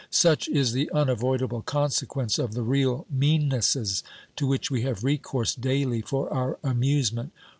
Such is the unavoidable consequence of the real meannesses to which we have recourse daily for our amusement.